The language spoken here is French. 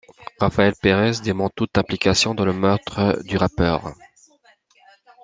Rafael Pérez dément toute implication dans le meurtre du rappeur.